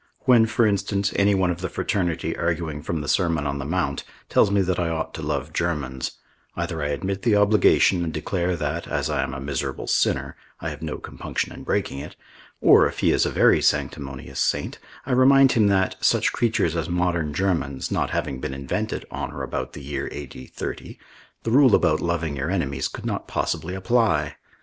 When, for instance, anyone of the fraternity arguing from the Sermon on the Mount tells me that I ought to love Germans, either I admit the obligation and declare that, as I am a miserable sinner, I have no compunction in breaking it, or, if he is a very sanctimonious saint, I remind him that, such creatures as modern Germans not having been invented on or about the year A.D. 30, the rule about loving your enemies could not possibly apply.